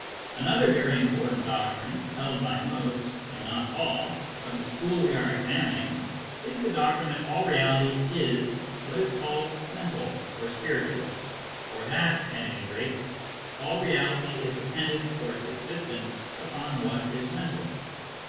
Another very important doctrine held by most, though not all, of the school we are examining is the doctrine that all reality is what is called " mental " or " spiritual," or that, at any rate, all reality is dependent for its existence upon what is mental.